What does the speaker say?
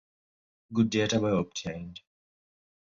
Good data were obtained.